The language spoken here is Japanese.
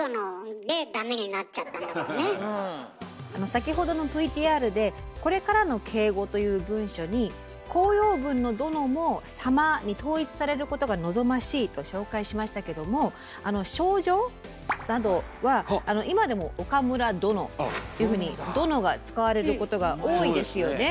先ほどのＶＴＲで「これからの敬語」という文書に「公用文の『殿』も『様』に統一されることが望ましい」と紹介しましたけども賞状などは今でも「岡村殿」というふうに「殿」が使われることが多いですよね。